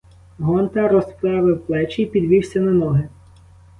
Гонта розправив плечі й підвівся на ноги.